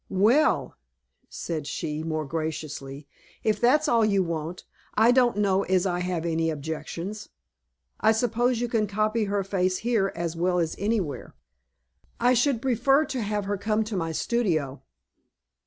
"Well," said she, more graciously, "if that's all you want, I don't know as I have any objections. I suppose you can copy her face here as well as anywhere." "I should prefer to have her come to my studio."